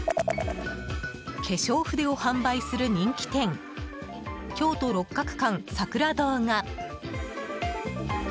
化粧筆を販売する人気店京都六角館さくら堂が。